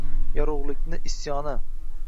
Yorug’likning isyoni.